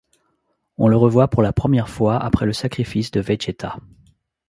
On le revoit pour la première fois après le sacrifice de Vegeta.